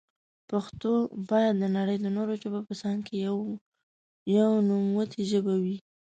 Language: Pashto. پښتو بايد دنړی د نورو ژبو په څنګ کي يوه نوموتي ژبي وي.